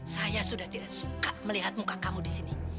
saya sudah tidak suka melihat muka kamu di sini